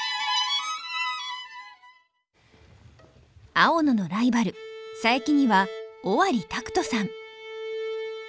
青野のライバル佐伯には尾張拓登さん。